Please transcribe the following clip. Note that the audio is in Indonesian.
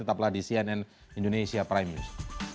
tetaplah di cnn indonesia prime news